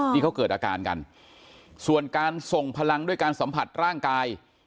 ที่เขาเกิดอาการกันส่วนการส่งพลังด้วยการสัมผัสร่างกาย